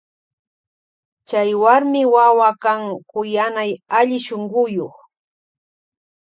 Chay warmi wawa kan kuyanay allishunkuyuk.